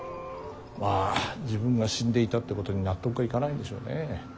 まあ自分が死んでいたってことに納得がいかないんでしょうね。